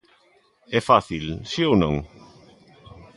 ¿É fácil: si ou non?